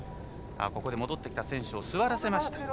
ここで戻ってきた選手を座らせました。